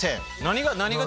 何が？